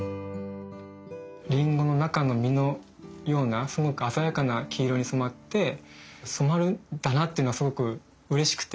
リンゴの中の実のようなすごく鮮やかな黄色に染まって染まるんだなっていうのはすごくうれしくて。